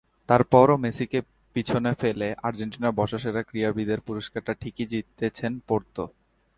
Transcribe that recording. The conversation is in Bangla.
তার পরও মেসিকে পেছনে ফেলে আর্জেন্টিনার বর্ষসেরা ক্রীড়াবিদের পুরস্কারটা ঠিকই জিতেছেন পোর্তো।